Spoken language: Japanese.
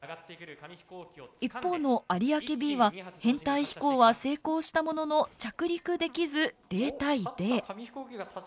一方の有明Ｂは編隊飛行は成功したものの着陸できず０対０。